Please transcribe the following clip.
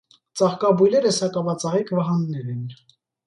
Ծաղկաբույլերը սակավածաղիկ վահաններ են։